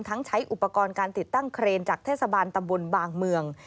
ใช้อุปกรณ์การติดตั้งเครนจากเทศบาลตำบลบางเมือง